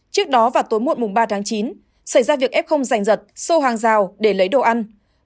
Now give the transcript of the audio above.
trước đó vào tối muộn ba chín xảy ra việc f giành giật sô hàng rào để lấy đồ ăn